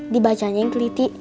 dibacanya yang teliti